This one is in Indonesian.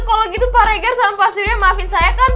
kalau gitu pak reger sama pak surya maafin saya kan